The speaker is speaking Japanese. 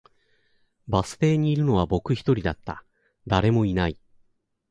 バス停にいるのは僕一人だった、誰もいない